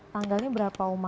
tanggalnya berapa oma